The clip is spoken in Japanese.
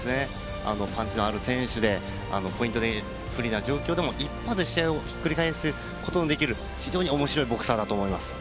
パンチのある選手で、不利な状況でも一発で試合をひっくり返すことのできる、非常に面白いボクサーだと思います。